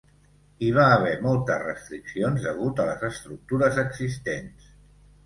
Hi va haver moltes restriccions degut a les estructures existents.